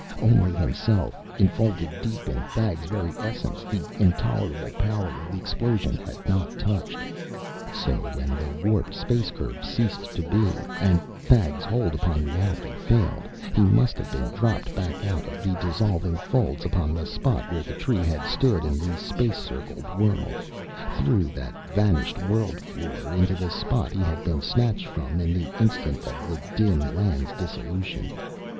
Only himself, enfolded deep in Thag's very essence, the intolerable power of the explosion had not touched. So when the warped space curve ceased to be, and Thag's hold upon reality failed, he must have been dropped back out of the dissolving folds upon the spot where the Tree had stood in the space circled world, through that vanished world floor into the spot he had been snatched from in the instant of the dim land's dissolution.